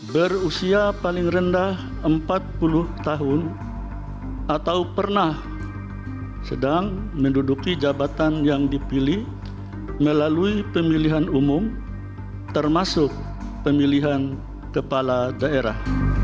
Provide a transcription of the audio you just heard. berusia paling rendah empat puluh tahun atau pernah sedang menduduki jabatan yang dipilih melalui pemilihan umum termasuk pemilihan kepala daerah